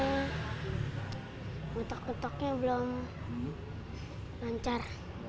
getok getoknya belum lancar